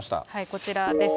こちらです。